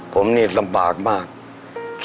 ผมนี่ลำบากมากกว่าทุกคนนะครับ